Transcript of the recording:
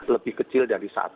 lebih kecil dari satu